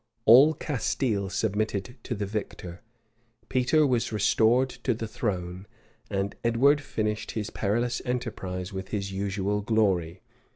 All Castile now submitted to the victor: Peter was restored to the throne; and Edward finished his perilous enterprise with his usual glory.